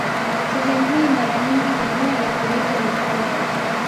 Sehemu hii mara nyingi wamwera huiita Likuta